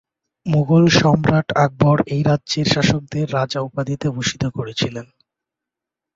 মোগল সম্রাট আকবর এই রাজ্যের শাসকদের রাজা উপাধিতে ভূষিত করেছিলেন।